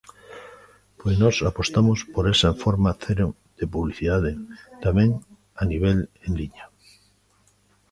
Pois nós apostamos por esa forma cero de publicidade tamén a nivel en liña.